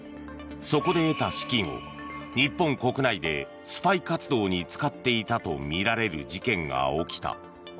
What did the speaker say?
そこで得た資金を日本国内でスパイ活動に使っていたとみられる事件が起きた。